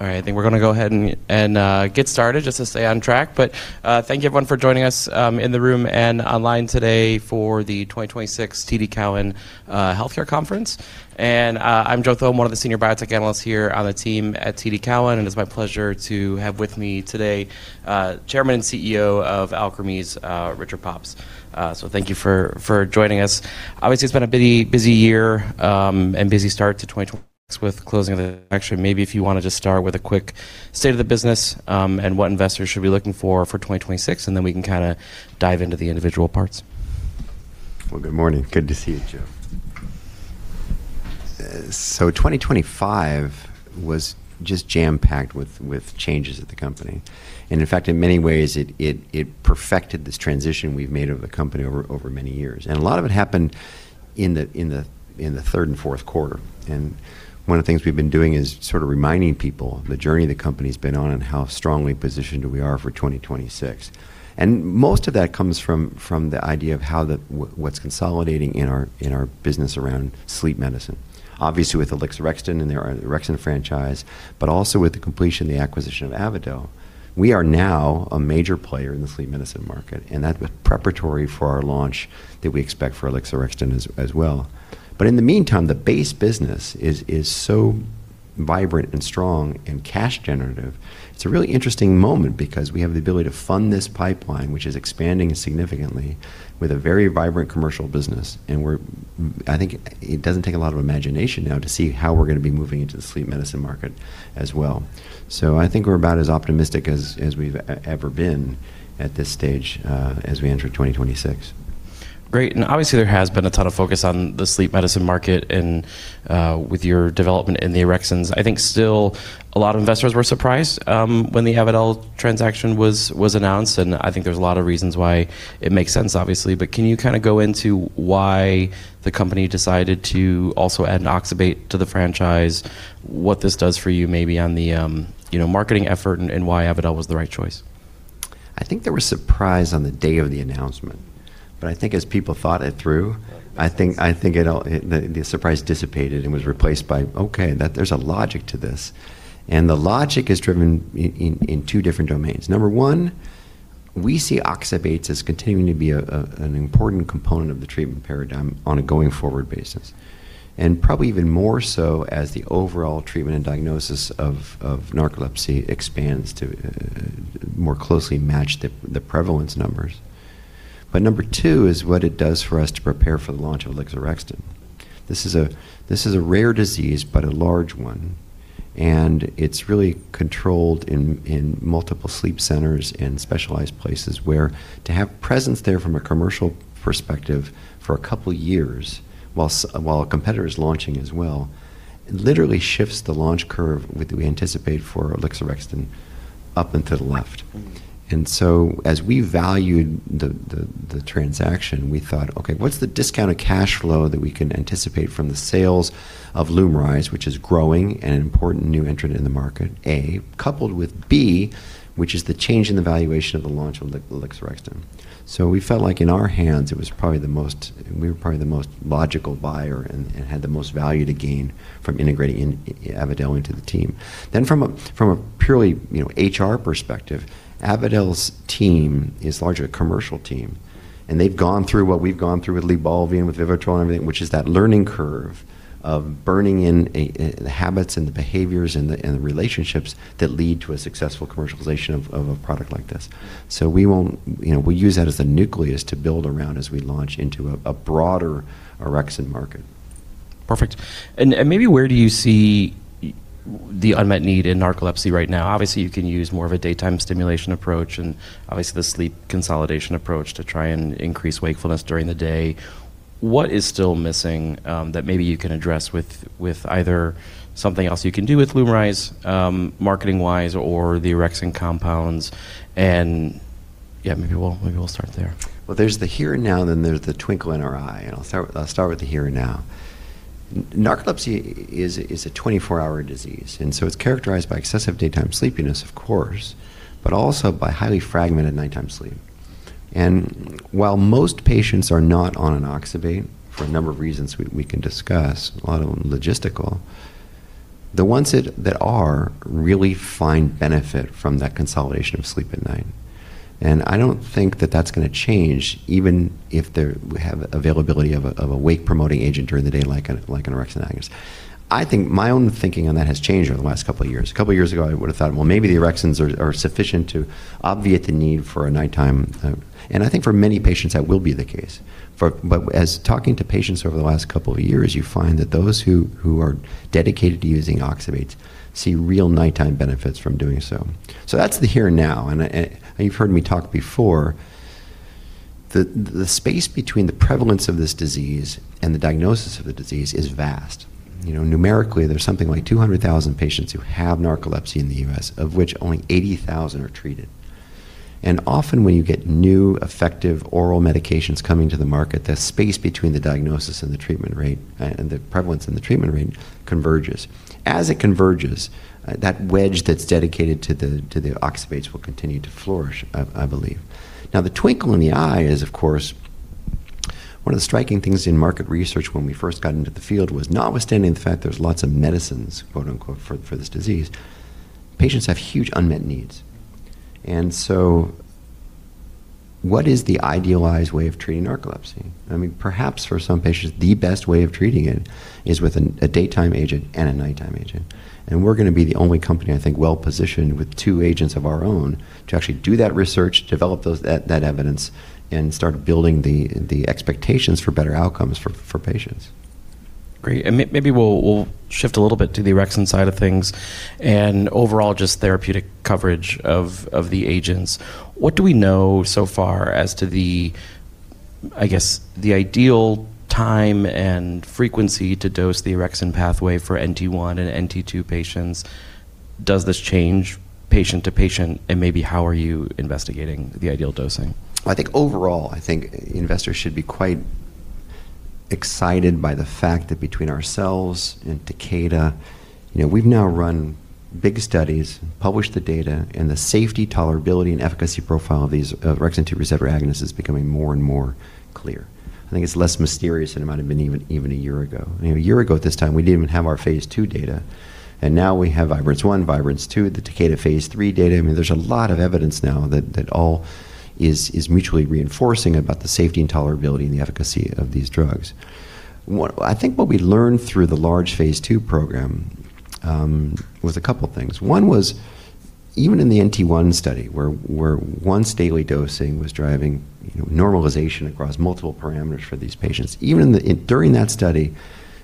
All right. I think we're gonna go ahead and get started just to stay on track. Thank you everyone for joining us in the room and online today for the 2026 TD Cowen Healthcare Conference. I'm Joe Thome, one of the senior biotech analysts here on the team at TD Cowen, and it's my pleasure to have with me today, Chairman and CEO of Alkermes, Richard Pops. Thank you for joining us. Obviously, it's been a busy year and busy start to 2026. Actually, maybe if you wanna just start with a quick state of the business and what investors should be looking for for 2026, then we can kinda dive into the individual parts. Well, good morning. Good to see you, Joe. So 2025 was just jam-packed with changes at the company. In fact, in many ways, it perfected this transition we've made of the company over many years. A lot of it happened in the third and fourth quarter. One of the things we've been doing is sort of reminding people the journey the company's been on and how strongly positioned we are for 2026. Most of that comes from the idea of how what's consolidating in our business around sleep medicine. Obviously, with alixorexton and the orexin franchise, but also with the completion of the acquisition of Avadel. We are now a major player in the sleep medicine market. That was preparatory for our launch that we expect for alixorexton as well. In the meantime, the base business is so vibrant and strong and cash generative. It's a really interesting moment because we have the ability to fund this pipeline, which is expanding significantly with a very vibrant commercial business. I think it doesn't take a lot of imagination now to see how we're gonna be moving into the sleep medicine market as well. I think we're about as optimistic as we've ever been at this stage as we enter 2026. Great. Obviously, there has been a ton of focus on the sleep medicine market and with your development in the orexins. I think still a lot of investors were surprised when the Avadel transaction was announced, and I think there's a lot of reasons why it makes sense, obviously. Can you kinda go into why the company decided to also add an oxybate to the franchise, what this does for you maybe on the, you know, marketing effort and why Avadel was the right choice? I think there was surprise on the day of the announcement. I think as people thought it through. That makes sense. I think The surprise dissipated and was replaced by, "Okay, that there's a logic to this." The logic is driven in two different domains. Number one, we see oxybates as continuing to be an important component of the treatment paradigm on a going forward basis, and probably even more so as the overall treatment and diagnosis of narcolepsy expands to more closely match the prevalence numbers. Number two is what it does for us to prepare for the launch of alixorexton. This is a rare disease, a large one, it's really controlled in multiple sleep centers and specialized places where to have presence there from a commercial perspective for a couple years while a competitor is launching as well, literally shifts the launch curve with we anticipate for alixorexton up and to the left. Mm-hmm. As we valued the transaction, we thought, "Okay, what's the discounted cash flow that we can anticipate from the sales of LUMRYZ, which is growing and an important new entrant in the market, A, coupled with B, which is the change in the valuation of the launch of alixorexton?" We felt like in our hands, it was probably the most logical buyer and had the most value to gain from integrating in Avadel into the team. From a purely, you know, HR perspective, Avadel's team is largely a commercial team, and they've gone through what we've gone through with LYBALVI and with VIVITROL, which is that learning curve of burning in the habits and the behaviors and the relationships that lead to a successful commercialization of a product like this. We won't, you know, we use that as the nucleus to build around as we launch into a broader orexin market. Perfect. Maybe where do you see the unmet need in narcolepsy right now? Obviously, you can use more of a daytime stimulation approach and obviously the sleep consolidation approach to try and increase wakefulness during the day. What is still missing that maybe you can address with either something else you can do with LUMRYZ marketing wise or the orexin compounds and... Yeah, maybe we'll start there. Well, there's the here and now, then there's the twinkle in our eye, and I'll start with the here and now. Narcolepsy is a 24-hour disease. It's characterized by excessive daytime sleepiness, of course, but also by highly fragmented nighttime sleep. While most patients are not on an oxybate for a number of reasons we can discuss, a lot of them logistical, the ones that are really find benefit from that consolidation of sleep at night. I don't think that that's gonna change even if we have availability of a wake-promoting agent during the day, like an orexin agonist. I think my own thinking on that has changed over the last couple of years. A couple of years ago, I would have thought, "Well, maybe the orexins are sufficient to obviate the need for a nighttime." I think for many patients, that will be the case. As talking to patients over the last couple of years, you find that those who are dedicated to using oxybates see real nighttime benefits from doing so. That's the here and now, and you've heard me talk before, the space between the prevalence of this disease and the diagnosis of the disease is vast. You know, numerically, there's something like 200,000 patients who have narcolepsy in the U.S., of which only 80,000 are treated. Often, when you get new, effective oral medications coming to the market, the space between the diagnosis and the treatment rate, and the prevalence and the treatment rate converges. As it converges, that wedge that's dedicated to the oxybates will continue to flourish, I believe. Now, the twinkle in the eye is, of course. One of the striking things in market research when we first got into the field was notwithstanding the fact there's lots of medicines, quote unquote, for this disease, patients have huge unmet needs. What is the idealized way of treating narcolepsy? I mean, perhaps for some patients, the best way of treating it is with a daytime agent and a nighttime agent. We're gonna be the only company, I think, well-positioned with two agents of our own to actually do that research, develop that evidence, and start building the expectations for better outcomes for patients. Great. Maybe we'll shift a little bit to the orexin side of things and overall just therapeutic coverage of the agents. What do we know so far as to the, I guess, the ideal time and frequency to dose the orexin pathway for NT1 and NT2 patients? Does this change patient to patient? Maybe how are you investigating the ideal dosing? I think overall, I think investors should be quite excited by the fact that between ourselves and Takeda, you know, we've now run big studies, published the data, and the safety, tolerability, and efficacy profile of these, of orexin 2 receptor agonist is becoming more and more clear. I think it's less mysterious than it might have been even 1 year ago. You know, 1 year ago at this time, we didn't even have our phase II data, and now we have VIBRANCE-1, VIBRANCE-2, the Takeda phase III data. I mean, there's a lot of evidence now that all is mutually reinforcing about the safety and tolerability and the efficacy of these drugs. I think what we learned through the large phase II program was 2 things. One was even in the NT-one study where once-daily dosing was driving, you know, normalization across multiple parameters for these patients, even the, in, during that study,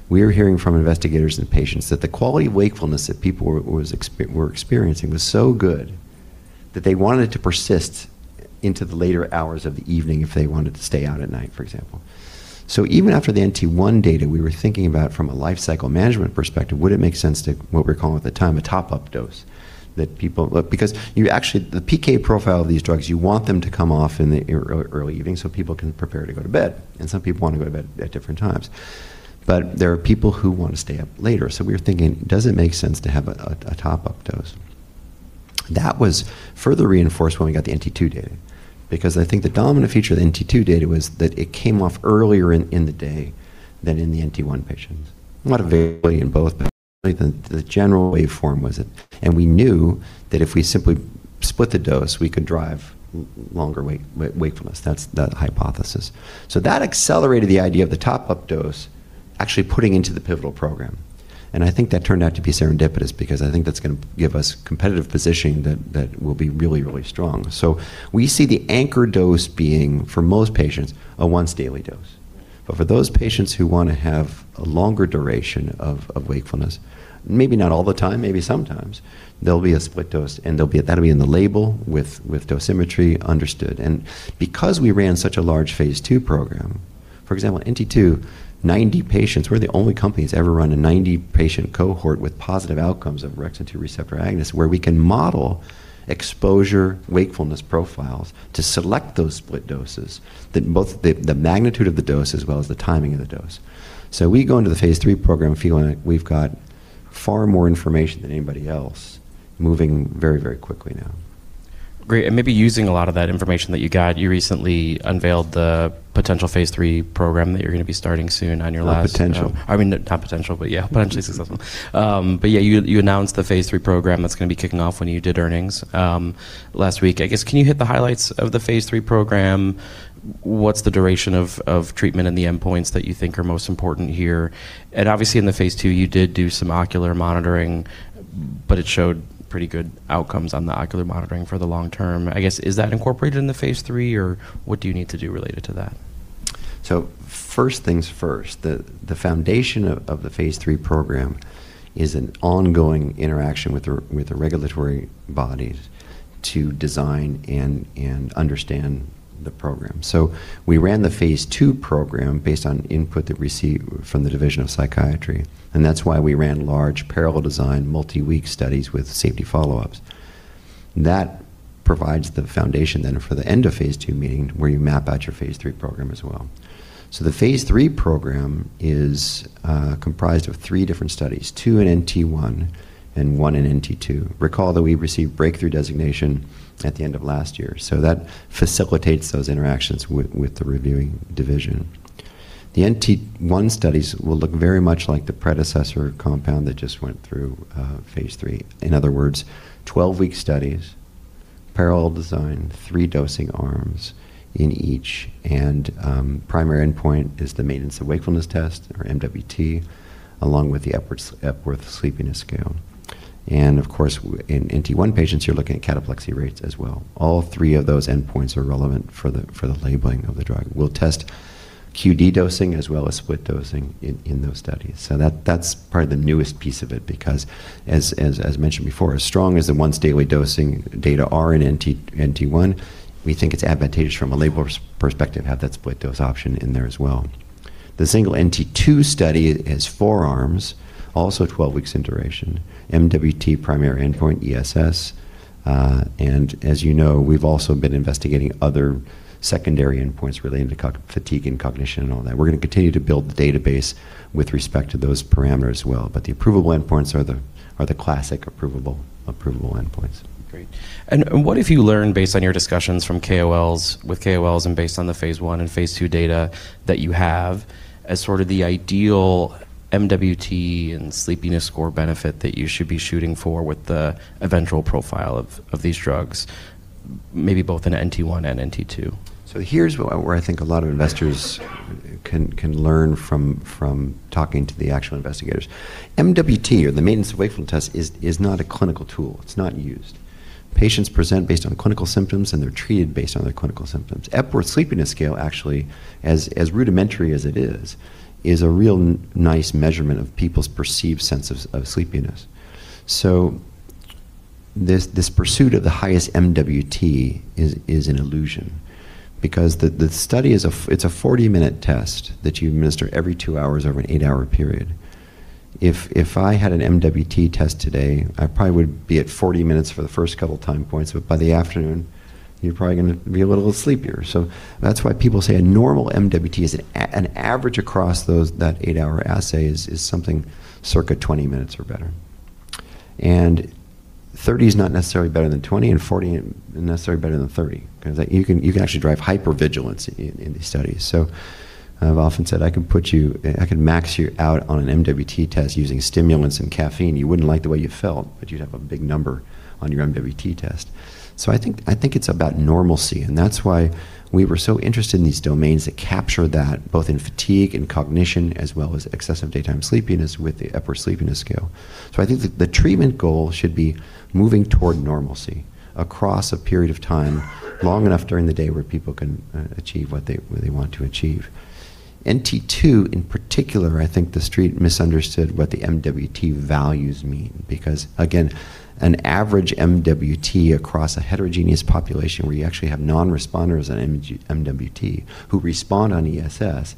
we were hearing from investigators and patients that the quality of wakefulness that people were, was experiencing was so good that they wanted it to persist into the later hours of the evening if they wanted to stay out at night, for example. So even after the NT-one data, we were thinking about from a lifecycle management perspective, would it make sense to what we were calling at the time a top-up dose that people... Look, because you actually, the PK profile of these drugs, you want them to come off in the early evening so people can prepare to go to bed, and some people want to go to bed at different times. There are people who want to stay up later. We were thinking, does it make sense to have a top-up dose? That was further reinforced when we got the NT2 data because I think the dominant feature of the NT2 data was that it came off earlier in the day than in the NT1 patients. A lot of variability in both, but the general wave form was it. We knew that if we simply split the dose, we could drive longer wakefulness. That's the hypothesis. That accelerated the idea of the top-up dose actually putting into the pivotal program, and I think that turned out to be serendipitous because I think that's gonna give us competitive positioning that will be really, really strong. We see the anchor dose being, for most patients, a once-daily dose. For those patients who wanna have a longer duration of wakefulness, maybe not all the time, maybe sometimes, there'll be a split dose, and there'll be that'll be in the label with dosimetry understood. Because we ran such a large phase II program, for example, in NT2, 90 patients, we're the only company that's ever run a 90-patient cohort with positive outcomes of orexin 2 receptor agonist where we can model exposure wakefulness profiles to select those split doses that both the magnitude of the dose as well as the timing of the dose. We go into the phase III program feeling like we've got far more information than anybody else moving very, very quickly now. Great. maybe using a lot of that information that you got, you recently unveiled the potential phase III program that you're gonna be starting soon. The potential. Not potential, but yeah, potentially successful. Yeah, you announced the phase III program that's gonna be kicking off when you did earnings last week. I guess, can you hit the highlights of the phase III program? What's the duration of treatment and the endpoints that you think are most important here? Obviously, in the phase II, you did do some ocular monitoring, but it showed pretty good outcomes on the ocular monitoring for the long term. I guess, is that incorporated into phase III, or what do you need to do related to that? First things first, the foundation of the phase III program is an ongoing interaction with the regulatory bodies to design and understand the program. We ran the phase II program based on input that we received from the Division of Psychiatry, and that's why we ran large parallel design multi-week studies with safety follow-ups. That provides the foundation then for the end of phase II, meaning where you map out your phase III program as well. The phase III program is comprised of 3 different studies, 2 in NT1 and 1 in NT2. Recall that we received Breakthrough designation at the end of last year, so that facilitates those interactions with the reviewing division. The NT1 studies will look very much like the predecessor compound that just went through phase III. In other words, 12-week studies, parallel design, 3 dosing arms in each, and primary endpoint is the Maintenance of Wakefulness Test or MWT, along with the Epworth Sleepiness Scale. Of course, in NT1 patients, you're looking at cataplexy rates as well. All 3 of those endpoints are relevant for the labeling of the drug. We'll test QD dosing as well as split dosing in those studies. That's probably the newest piece of it because as mentioned before, as strong as the once-daily dosing data are in NT1, we think it's advantageous from a label perspective to have that split dose option in there as well. The single NT2 study has 4 arms, also 12 weeks in duration. MWT primary endpoint, ESS, and as you know, we've also been investigating other secondary endpoints relating to fatigue and cognition and all that. We're gonna continue to build the database with respect to those parameters well, but the approvable endpoints are the classic approvable endpoints. Great. What have you learned based on your discussions from KOLs, with KOLs and based on the phase I and phase II data that you have as sort of the ideal MWT and sleepiness score benefit that you should be shooting for with the eventual profile of these drugs, maybe both in NT1 and NT2? Here's where I think a lot of investors can learn from talking to the actual investigators. MWT or the Maintenance of Wakefulness Test is not a clinical tool. It's not used. Patients present based on clinical symptoms, and they're treated based on their clinical symptoms. Epworth Sleepiness Scale actually as rudimentary as it is a real nice measurement of people's perceived sense of sleepiness. This pursuit of the highest MWT is an illusion because the study is a 40-minute test that you administer every 2 hours over an 8-hour period. If I had an MWT test today, I probably would be at 40 minutes for the first couple time points, but by the afternoon, you're probably gonna be a little sleepier. That's why people say a normal MWT is an average across those, that 8-hour assay is something circa 20 minutes or better. Thirty is not necessarily better than 20, and 40 isn't necessarily better than 30 'cause you can actually drive hypervigilance in these studies. I've often said, I can max you out on an MWT test using stimulants and caffeine. You wouldn't like the way you felt, but you'd have a big number on your MWT test. I think it's about normalcy, and that's why we were so interested in these domains that capture that both in fatigue and cognition as well as excessive daytime sleepiness with the Epworth Sleepiness Scale. I think the treatment goal should be moving toward normalcy across a period of time long enough during the day where people can achieve what they want to achieve. NT2 in particular, I think the street misunderstood what the MWT values mean because, again, an average MWT across a heterogeneous population where you actually have non-responders on MWT who respond on ESS,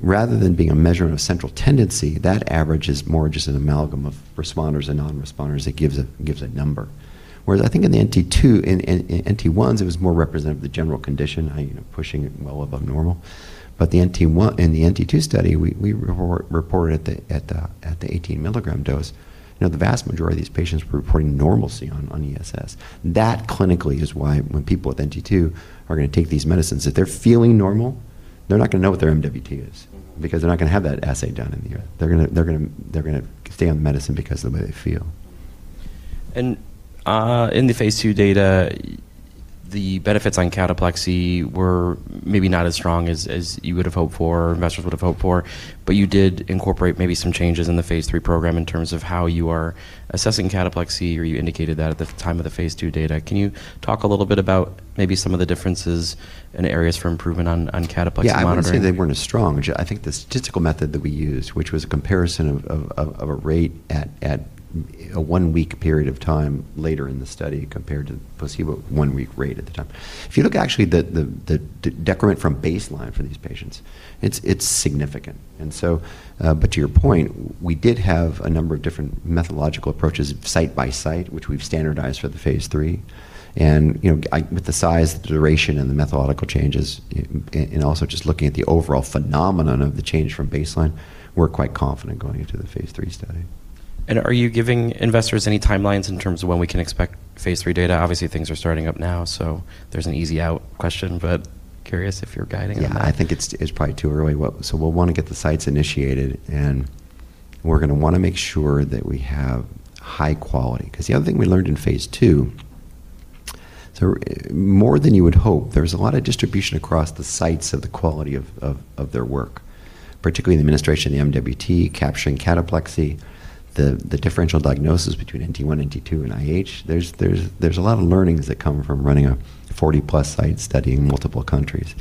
rather than being a measure of central tendency, that average is more just an amalgam of responders and non-responders that gives a number. Whereas I think in the NT2, in NT1s, it was more representative of the general condition, how, you know, pushing it well above normal. The NT2 study, we reported at the 18-milligram dose. You know, the vast majority of these patients were reporting normalcy on ESS. That clinically is why when people with NT2 are gonna take these medicines, if they're feeling normal, they're not gonna know what their MWT is. Mm-hmm. They're not gonna have that assay done in the U.S. They're gonna stay on the medicine because of the way they feel. In the phase II data, the benefits on cataplexy were maybe not as strong as you would have hoped for or investors would have hoped for, but you did incorporate maybe some changes in the phase III program in terms of how you are assessing cataplexy, or you indicated that at the time of the phase II data. Can you talk a little bit about maybe some of the differences and areas for improvement on cataplexy monitoring? Yeah, I wouldn't say they weren't as strong. I think the statistical method that we used, which was a comparison of a rate at a 1-week period of time later in the study compared to placebo 1-week rate at the time. If you look actually the decrement from baseline for these patients, it's significant. But to your point, we did have a number of different methodological approaches site by site, which we've standardized for the phase III. You know, with the size, the duration, and the methodological changes and also just looking at the overall phenomenon of the change from baseline, we're quite confident going into the phase III study. Are you giving investors any timelines in terms of when we can expect phase III data? Obviously, things are starting up now, so there's an easy out question, but curious if you're guiding them. I think it's probably too early. We'll wanna get the sites initiated, and we're gonna wanna make sure that we have high quality. The other thing we learned in phase II, so more than you would hope, there's a lot of distribution across the sites of the quality of their work, particularly in the administration of the MWT, capturing cataplexy, the differential diagnosis between NT1, NT2, and IH. There's a lot of learnings that come from running a 40-plus site study in multiple countries.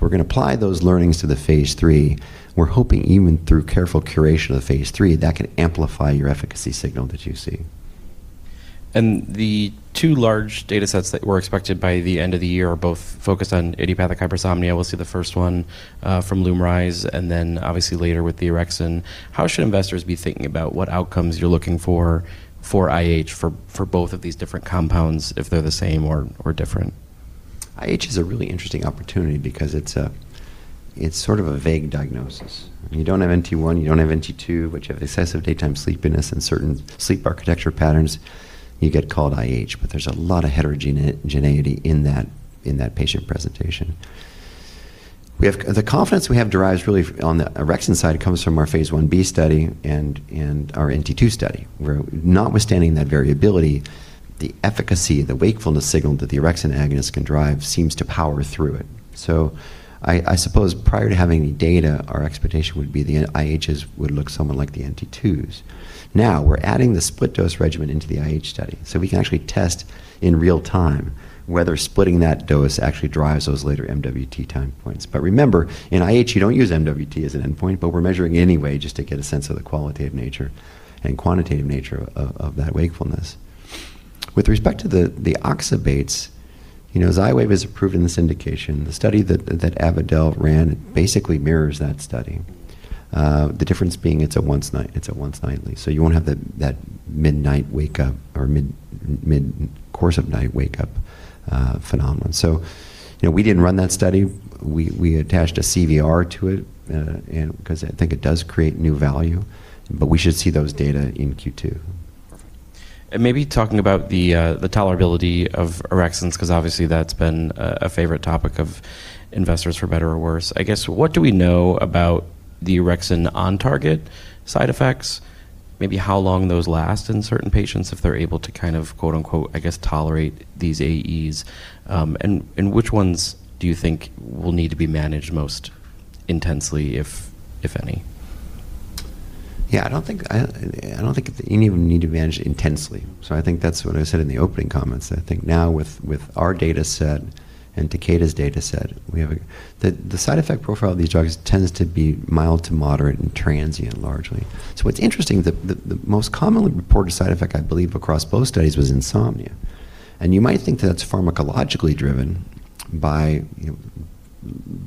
We're gonna apply those learnings to the phase III. We're hoping even through careful curation of the phase III, that can amplify your efficacy signal that you see. The two large data sets that were expected by the end of the year are both focused on idiopathic hypersomnia. We'll see the first one from LUMRYZ and then obviously later with the orexin. How should investors be thinking about what outcomes you're looking for for IH for both of these different compounds, if they're the same or different? IH is a really interesting opportunity because it's sort of a vague diagnosis. You don't have NT1, you don't have NT2, but you have excessive daytime sleepiness and certain sleep architecture patterns, you get called IH, but there's a lot of heterogeneity in that patient presentation. The confidence we have derives really on the orexin side, it comes from our phase Ib study and our NT2 study, where notwithstanding that variability, the efficacy, the wakefulness signal that the orexin agonist can drive seems to power through it. I suppose prior to having any data, our expectation would be the IHs would look somewhat like the NT2s. we're adding the split dose regimen into the IH study, so we can actually test in real time whether splitting that dose actually drives those later MWT time points. remember, in IH, you don't use MWT as an endpoint, but we're measuring anyway just to get a sense of the qualitative nature and quantitative nature of that wakefulness. With respect to the oxybates, you know, XYWAV is approved in this indication. The study that Avadel ran basically mirrors that study. The difference being it's a once nightly. you won't have that midnight wake up or mid-course of night wake up phenomenon. you know, we didn't run that study. We attached a CVR to it, 'cause I think it does create new value, we should see those data in Q2. Perfect. Maybe talking about the tolerability of orexins, 'cause obviously that's been a favorite topic of investors for better or worse. I guess, what do we know about the orexin on target side effects, maybe how long those last in certain patients if they're able to kind of quote-unquote, I guess tolerate these AEs, and which ones do you think will need to be managed most intensely if any? Yeah, I don't think any of them need to be managed intensely. I think that's what I said in the opening comments. I think now with our data set and Takeda's data set, the side effect profile of these drugs tends to be mild to moderate and transient largely. What's interesting, the most commonly reported side effect I believe across both studies was insomnia. You might think that's pharmacologically driven by, you know,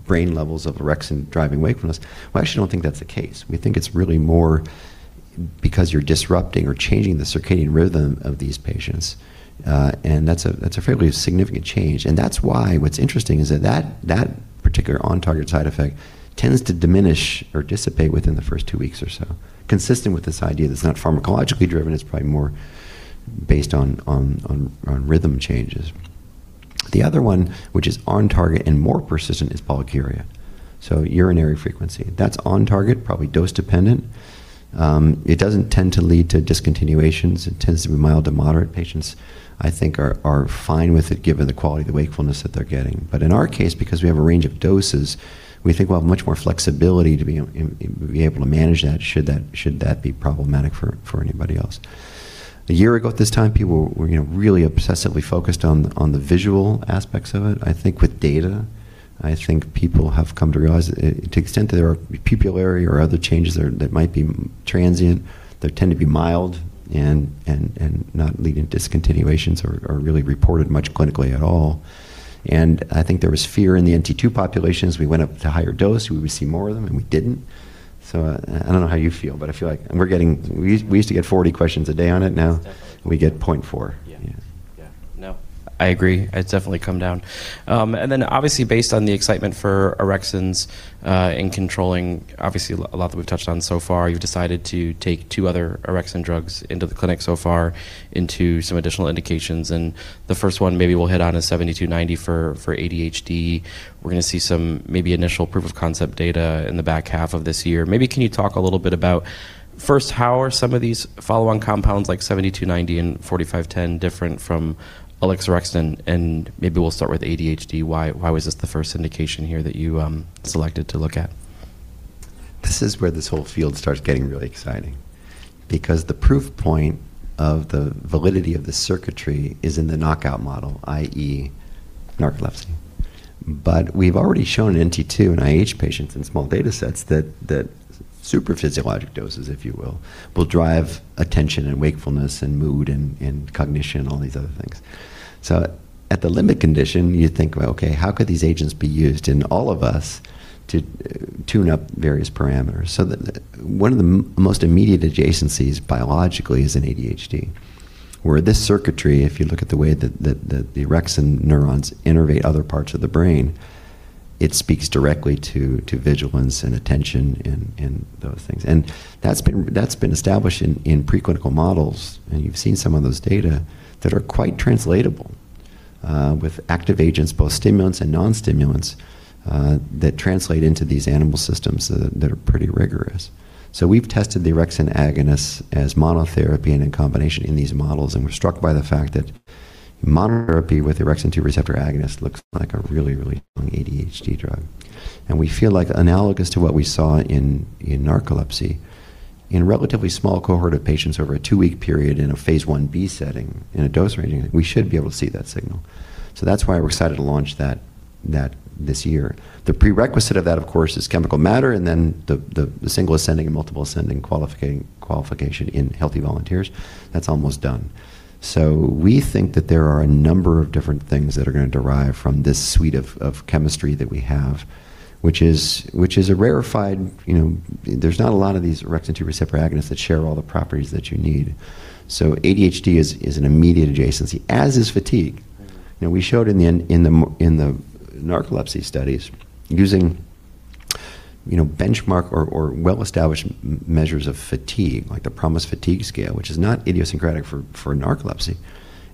brain levels of orexin driving wakefulness. We actually don't think that's the case. We think it's really more because you're disrupting or changing the circadian rhythm of these patients, and that's a fairly significant change. That's why what's interesting is that particular on target side effect tends to diminish or dissipate within the first two weeks or so. Consistent with this idea that it's not pharmacologically driven, it's probably more based on rhythm changes. The other one which is on target and more persistent is polyuria, so urinary frequency. That's on target, probably dose dependent. It doesn't tend to lead to discontinuations. It tends to be mild to moderate. Patients, I think, are fine with it given the quality of the wakefulness that they're getting. But in our case, because we have a range of doses, we think we'll have much more flexibility to be able to manage that should that be problematic for anybody else. A year ago at this time, people were, you know, really obsessively focused on the visual aspects of it. I think with data, I think people have come to realize that to the extent that there are pupillary or other changes that might be transient, they tend to be mild and, and not lead into discontinuations or really reported much clinically at all. I think there was fear in the NT2 populations. We went up to higher dose, we would see more of them, and we didn't. I don't know how you feel, but I feel like we're getting. We used to get 40 questions a day on it, now. Definitely. we get 0.4. Yeah. Yeah. Yeah. No, I agree. It's definitely come down. Obviously based on the excitement for orexins, in controlling obviously a lot that we've touched on so far, you've decided to take two other orexin drugs into the clinic so far into some additional indications. The first one maybe we'll hit on is ALKS 7290 for ADHD. We're gonna see some maybe initial proof of concept data in the back half of this year. Maybe can you talk a little bit about first, how are some of these follow-on compounds like ALKS 7290 and ALKS 4510 different from Orexin? Maybe we'll start with ADHD. Why was this the first indication here that you selected to look at? This is where this whole field starts getting really exciting because the proof point of the validity of the circuitry is in the knockout model, i.e., narcolepsy. We've already shown in NT2 and IH patients in small data sets that super physiologic doses, if you will drive attention and wakefulness and mood and cognition, all these other things. At the limit condition, you think, "Well, okay, how could these agents be used in all of us to tune up various parameters?" The one of the most immediate adjacencies biologically is in ADHD, where this circuitry, if you look at the way the orexin neurons innervate other parts of the brain, it speaks directly to vigilance and attention and those things. That's been established in preclinical models, and you've seen some of those data that are quite translatable with active agents, both stimulants and non-stimulants, that translate into these animal systems that are pretty rigorous. We've tested the orexin agonists as monotherapy and in combination in these models, and we're struck by the fact that monotherapy with orexin 2 receptor agonist looks like a really strong ADHD drug. We feel like analogous to what we saw in narcolepsy, in a relatively small cohort of patients over a 2-week period in a phase Ib setting in a dose ranging, we should be able to see that signal. That's why we're excited to launch that this year. The prerequisite of that, of course, is chemical matter and then the single ascending and multiple ascending qualification in healthy volunteers. That's almost done. We think that there are a number of different things that are going to derive from this suite of chemistry that we have, which is, which is a rarefied, you know, there's not a lot of these orexin 2 receptor agonists that share all the properties that you need. ADHD is an immediate adjacency, as is fatigue. Mm-hmm. You know, we showed in the narcolepsy studies using, you know, benchmark or well-established measures of fatigue, like the PROMIS Fatigue Scale, which is not idiosyncratic for narcolepsy.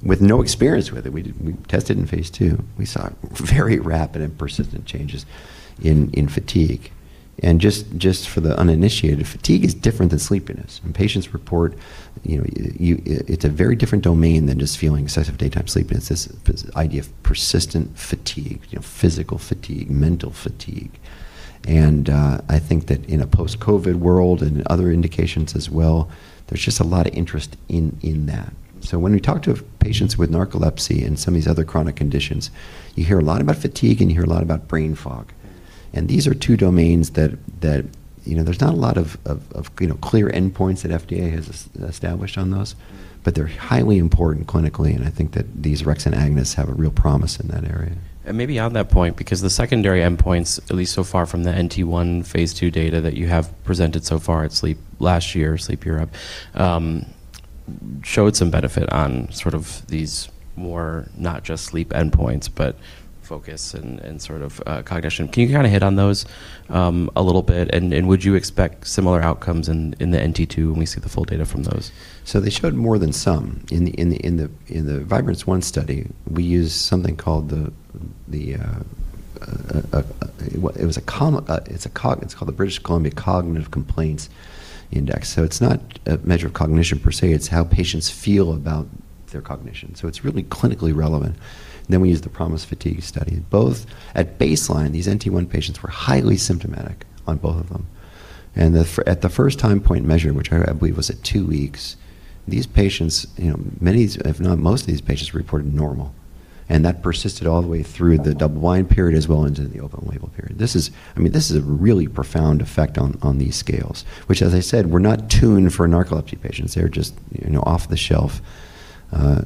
With no experience with it, we tested in phase II, we saw very rapid and persistent changes in fatigue. Just for the uninitiated, fatigue is different than sleepiness, and patients report, you know, it's a very different domain than just feeling excessive daytime sleepiness. This idea of persistent fatigue, you know, physical fatigue, mental fatigue, and I think that in a post-COVID world and other indications as well, there's just a lot of interest in that. When we talk to patients with narcolepsy and some of these other chronic conditions, you hear a lot about fatigue, and you hear a lot about brain fog. Mm-hmm. These are two domains that, you know, there's not a lot of, you know, clear endpoints that FDA has established on those, but they're highly important clinically, and I think that these orexins and agonists have a real promise in that area. Maybe on that point, because the secondary endpoints, at least so far from the NT1, phase II data that you have presented so far at SLEEP last year, Sleep Europe, showed some benefit on sort of these more not just sleep endpoints, but focus and sort of cognition? Can you kinda hit on those a little bit? Would you expect similar outcomes in the NT2 when we see the full data from those? They showed more than some. In the VIBRANCE-1 study, we used something called the British Columbia Cognitive Complaints Index. It's not a measure of cognition per se, it's how patients feel about their cognition, so it's really clinically relevant. We used the PROMIS Fatigue study. Both at baseline, these NT1 patients were highly symptomatic on both of them. The first time point measure, which I believe was at 2 weeks, these patients, you know, many if not most of these patients reported normal, and that persisted all the way through the double-blind period as well into the open label period. This is. I mean, this is a really profound effect on these scales. Which as I said, were not tuned for narcolepsy patients. They're just, you know, off the shelf.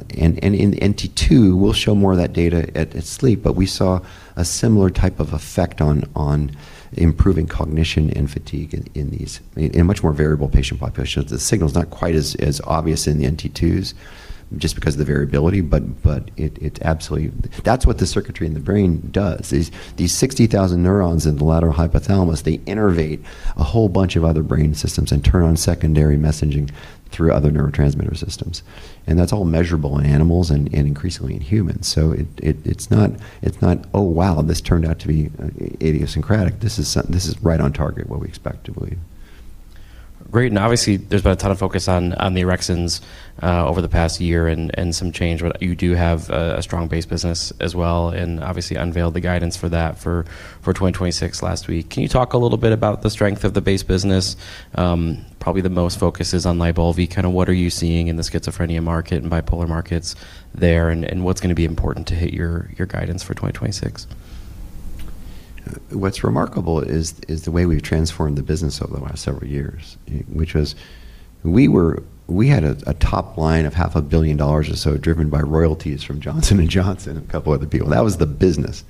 In NT2, we'll show more of that data at SLEEP, but we saw a similar type of effect on improving cognition and fatigue in a much more variable patient population. The signal's not quite as obvious in the NT2s just because of the variability, but it absolutely... That's what the circuitry in the brain does, is these 60,000 neurons in the lateral hypothalamus, they innervate a whole bunch of other brain systems and turn on secondary messaging through other neurotransmitter systems. That's all measurable in animals and increasingly in humans. It's not, "Oh, wow, this turned out to be idiosyncratic." This is right on target what we expect, I believe. Great. Obviously there's been a ton of focus on the orexins over the past year and some change, but you do have a strong base business as well, and obviously unveiled the guidance for that for 2026 last week. Can you talk a little bit about the strength of the base business? Probably the most focus is on LYBALVI. Kinda what are you seeing in the schizophrenia market and bipolar markets there, and what's gonna be important to hit your guidance for 2026? What's remarkable is the way we've transformed the business over the last several years. We had a top line of half a billion dollars or so driven by royalties from Johnson & Johnson and a couple other people. That was the business.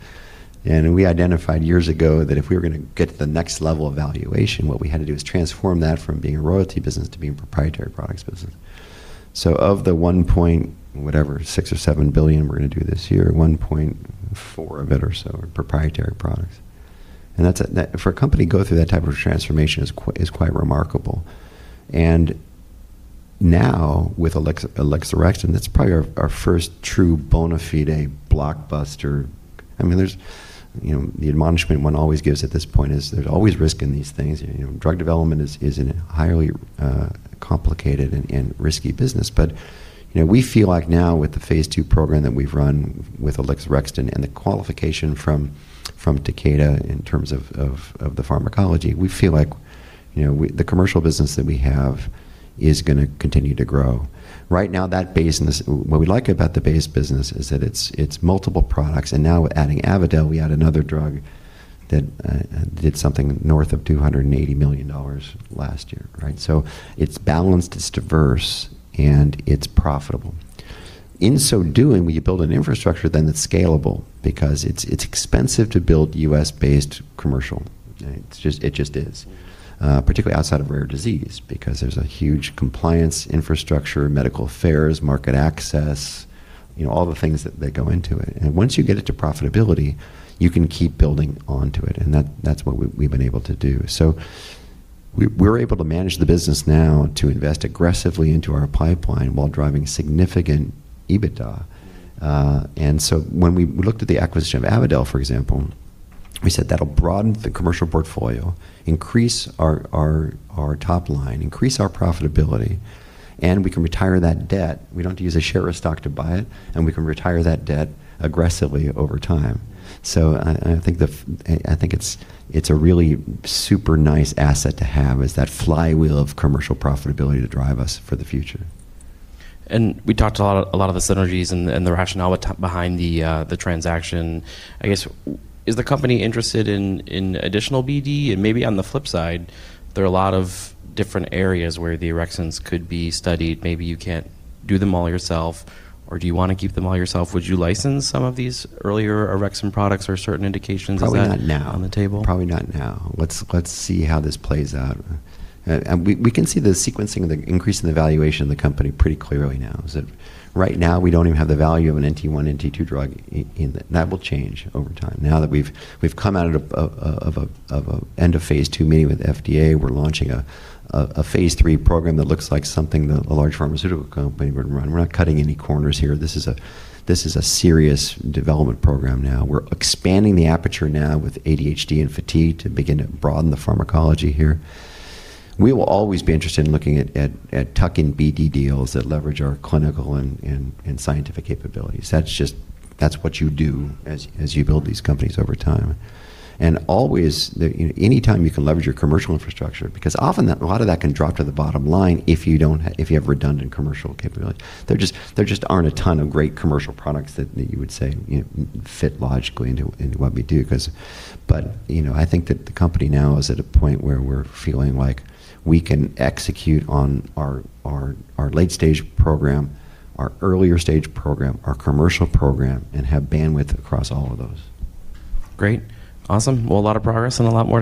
We identified years ago that if we were gonna get to the next level of valuation, what we had to do is transform that from being a royalty business to being a proprietary products business. Of the one-point whatever, $6 billion or $7 billion we're gonna do this year, $1.4 billion of it or so are proprietary products. For a company to go through that type of transformation is quite remarkable. Now with alixorexton, that's probably our first true bona fide blockbuster. I mean, there's, you know, the admonishment one always gives at this point is there's always risk in these things. You know, drug development is a highly complicated and risky business. You know, we feel like now with the phase II program that we've run with alixorexton and the qualification from Takeda in terms of the pharmacology, we feel like, you know, the commercial business that we have is gonna continue to grow. Right now, that base business. What we like about the base business is that it's multiple products, and now we're adding Avadel. We add another drug that did something north of $280 million last year, right? It's balanced, it's diverse, and it's profitable. In so doing, we build an infrastructure then that's scalable because it's expensive to build U.S.-based commercial, right? It just is. particularly outside of rare disease because there's a huge compliance infrastructure, medical affairs, market access, you know, all the things that go into it. Once you get it to profitability, you can keep building onto it, and that's what we've been able to do. We're able to manage the business now to invest aggressively into our pipeline while driving significant EBITDA. When we looked at the acquisition of Avadel, for example, we said, "That'll broaden the commercial portfolio, increase our top line, increase our profitability, and we can retire that debt. We don't have to use a share of stock to buy it, and we can retire that debt aggressively over time. I think it's a really super nice asset to have, is that flywheel of commercial profitability to drive us for the future. We talked a lot of the synergies and the rationale behind the transaction. I guess, is the company interested in additional BD? Maybe on the flip side, there are a lot of different areas where the orexins could be studied. Maybe you can't do them all yourself, or do you wanna keep them all yourself? Would you license some of these earlier orexin products or certain indications? Is that- Probably not now. on the table? Probably not now. Let's see how this plays out. We can see the sequencing, the increase in the valuation of the company pretty clearly now. As of right now, we don't even have the value of an NT1, NT2 drug in the... That will change over time now that we've come out of an end of phase II meeting with FDA. We're launching a phase III program that looks like something that a large pharmaceutical company would run. We're not cutting any corners here. This is a serious development program now. We're expanding the aperture now with ADHD and fatigue to begin to broaden the pharmacology here. We will always be interested in looking at tuck-in BD deals that leverage our clinical and scientific capabilities. That's just, that's what you do as you build these companies over time. Always, you know, anytime you can leverage your commercial infrastructure, because often that, a lot of that can drop to the bottom line if you have redundant commercial capability. There just aren't a ton of great commercial products that you would say, you know, fit logically into what we do 'cause. You know, I think that the company now is at a point where we're feeling like we can execute on our late-stage program, our earlier-stage program, our commercial program, and have bandwidth across all of those. Great. Awesome. Well, a lot of progress and a lot more to come